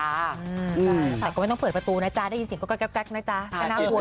ใช่แต่ก็ไม่ต้องเปิดประตูนะจ๊ะได้ยินเสียงก็แก๊กนะจ๊ะก็น่ากลัว